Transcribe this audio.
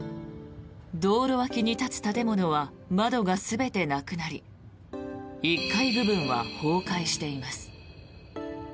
道路脇に立つ建物は窓が全てなくなり１階部分は崩壊しています。